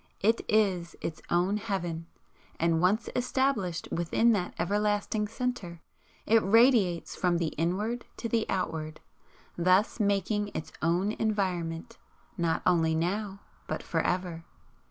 It is its own Heaven, and once established within that everlasting centre, it radiates from the Inward to the Outward, thus making its own environment, not only now but for ever.